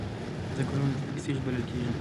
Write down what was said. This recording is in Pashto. ځنګلونه د ځمکې سږي بلل کیږي